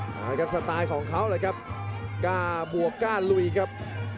มาครับสไตล์ของเขาเลยครับกล้าบวกกล้าลุยครับ